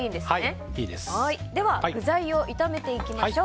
では具材を炒めていきましょう。